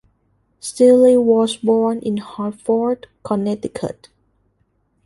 Steele was born in Hartford, Connecticut.